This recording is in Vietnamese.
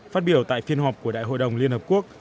phát biểu tại phiên họp của đại hội đồng liên hợp quốc